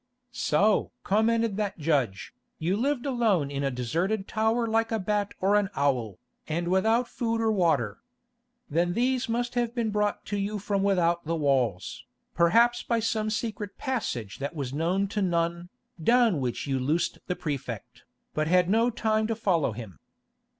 "So!" commented that judge, "you lived alone in a deserted tower like a bat or an owl, and without food or water. Then these must have been brought to you from without the walls, perhaps by some secret passage that was known to none, down which you loosed the Prefect, but had no time to follow him.